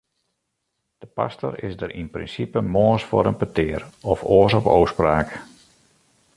De pastor is der yn prinsipe moarns foar in petear, of oars op ôfspraak.